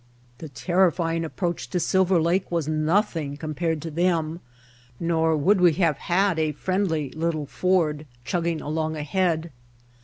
The terrifying approach to Silver Lake was nothing compared to them, nor would we have had a friendly little Ford chugging along ahead.